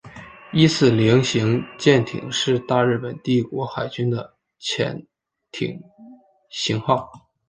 伊四零型潜艇是大日本帝国海军的潜舰型号。